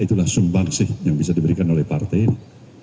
itulah sumbang sih yang bisa diberikan oleh partai ini